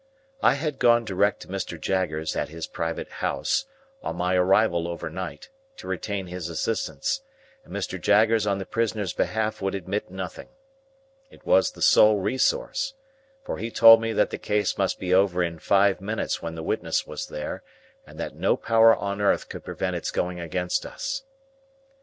I had gone direct to Mr. Jaggers at his private house, on my arrival over night, to retain his assistance, and Mr. Jaggers on the prisoner's behalf would admit nothing. It was the sole resource; for he told me that the case must be over in five minutes when the witness was there, and that no power on earth could prevent its going against us.